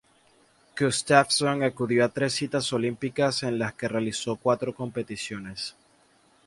Gustafsson acudió a tres citas olímpicas en las que realizó cuatro competiciones.